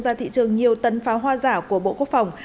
ra thị trường nhiều tấn pháo hoa giả của bộ quốc phòng